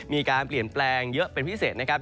มีการเปลี่ยนแปลงเยอะเป็นพิเศษนะครับ